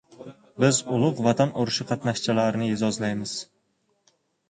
Biz Ulug‘ Vatan urushi qatnashchilarini e’zozlaymiz.